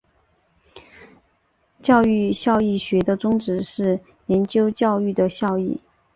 教育效益学的宗旨是研究教育的效益。